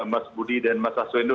mas budi dan mas aswendo